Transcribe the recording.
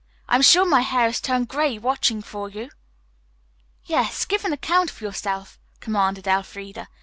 "I am sure my hair has turned gray watching for you." "Yes, give an account of yourself," commanded Elfreda.